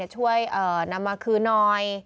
ช่วยนำมาคืนหน่อย